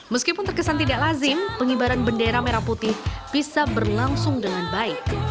meskipun terkesan tidak lazim pengibaran bendera merah putih bisa berlangsung dengan baik